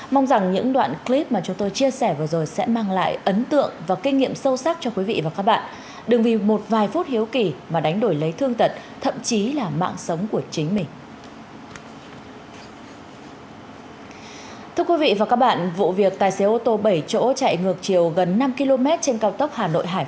mong rằng những đoạn clip mà chúng tôi chia sẻ vừa rồi sẽ mang lại những kết cục đau thương cho chính những người có thói quen tò mò này